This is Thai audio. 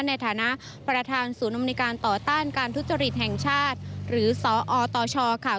ในฐานะประธานศูนย์อำนวยการต่อต้านการทุจริตแห่งชาติหรือสอตชค่ะ